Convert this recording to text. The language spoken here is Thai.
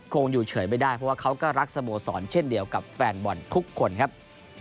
คงอยู่เฉยไม่ได้เพราะว่าเขาก็รักสโมสรเช่นเดียวกับแฟนบอลทุกคนครับ